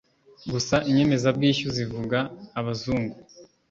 gusa inyemezabwishyu zivuga abazungu